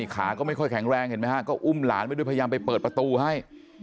ขาก็ไม่ค่อยแข็งแรงเห็นไหมฮะก็อุ้มหลานไปด้วยพยายามไปเปิดประตูให้